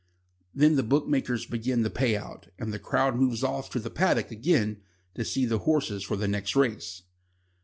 Then the bookmakers begin to pay out, and the crowd moves off to the paddock again to see the horses for the next race.